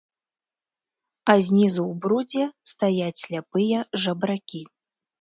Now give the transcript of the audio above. А знізу ў брудзе стаяць сляпыя жабракі.